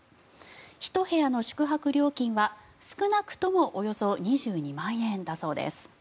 １部屋の宿泊料金は少なくともおよそ２２万円だそうです。